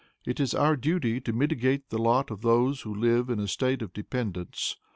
It is our duty to mitigate the lot of those who live in a state of dependence.